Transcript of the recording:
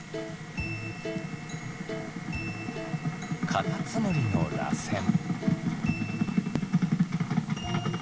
カタツムリのらせん。